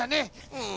うん。